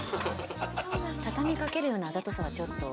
畳みかけるようなあざとさはちょっと？